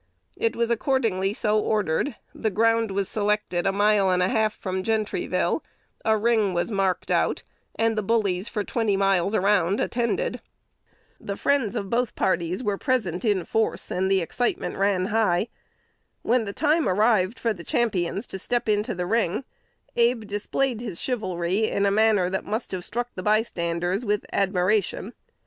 It was accordingly so ordered: the ground was selected a mile and a half from Gentryville, a ring was marked out, and the bullies for twenty miles around attended. The friends of both parties were present in force, and excitement ran high. When the time arrived for the champions to step into the ring, Abe displayed his chivalry in a manner that must have struck the bystanders with admiration.